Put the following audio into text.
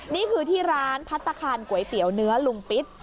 นี่คือที่ร้านพัฒนาคารก๋วยเตี๋ยวเนื้อลุงปิ๊ด